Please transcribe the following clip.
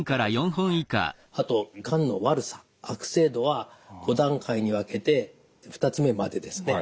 あとがんの悪さ悪性度は５段階に分けて２つ目までですね。